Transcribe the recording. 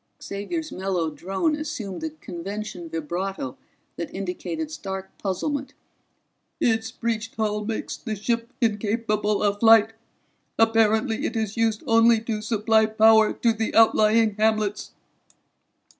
Xavier's mellow drone assumed the convention vibrato that indicated stark puzzlement. "Its breached hull makes the ship incapable of flight. Apparently it is used only to supply power to the outlying hamlets."